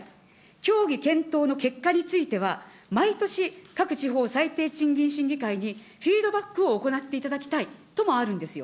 協議検討の結果につきましては、毎年、各地方最低賃金審議会にフィードバックを行っていただきたいともあるんですよ。